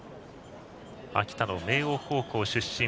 秋田の明桜高校出身。